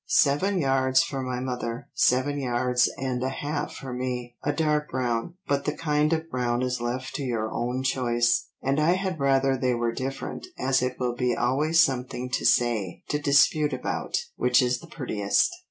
Seven yards for my mother, seven yards and a half for me; a dark brown, but the kind of brown is left to your own choice, and I had rather they were different as it will be always something to say, to dispute about, which is the prettiest.